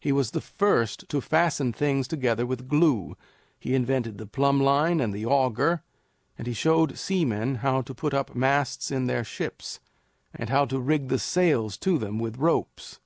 He was the first to fasten things together with glue; he invented the plumb line and the auger; and he showed seamen how to put up masts in their ships and how to rig the sails to them with ropes.